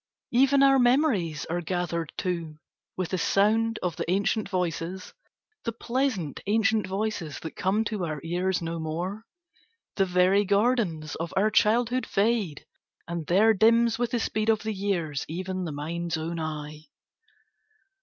"Even our memories are gathered too with the sound of the ancient voices, the pleasant ancient voices that come to our ears no more; the very gardens of our childhood fade, and there dims with the speed of the years even the mind's own eye.